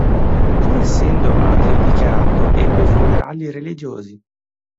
Pur essendo ateo dichiarato, ebbe funerali religiosi.